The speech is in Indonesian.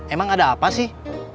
emang ada apa sih